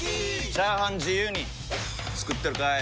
チャーハン自由に作ってるかい！？